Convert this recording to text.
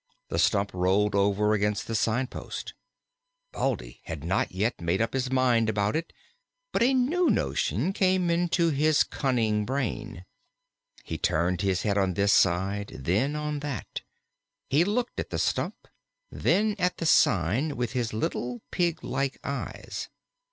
The stump rolled over against the sign post. Baldy had not yet made up his mind about it; but a new notion came into his cunning brain. He turned his head on this side, then on that. He looked at the stump, then at the sign, with his little pig like eyes.